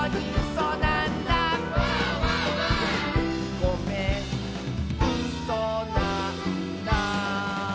「ごめんうそなんだ」